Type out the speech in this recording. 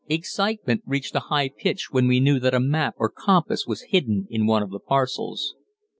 Excitement reached a high pitch when we knew that a map or compass was hidden in one of the parcels.